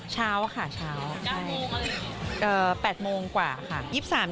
เช้าค่ะเช้า๘โมงกว่าค่ะ